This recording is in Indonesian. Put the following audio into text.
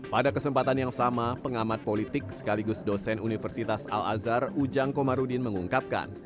pada kesempatan yang sama pengamat politik sekaligus dosen universitas al azhar ujang komarudin mengungkapkan